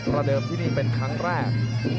ระเดิมที่นี่เป็นครั้งแรก